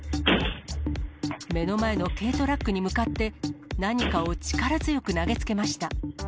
目の前の軽トラックに向かって、何かを力強く投げつけました。